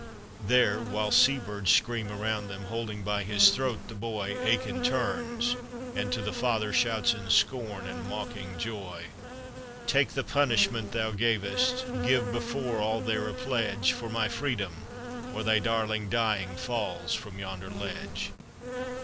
There, while sea birds scream around them, Holding by his throat the boy, Eachann turns, and to the father Shouts in scorn and mocking joy: "Take the punishment thou gavest, Give before all there a pledge For my freedom, or thy darling Dying falls from yonder ledge.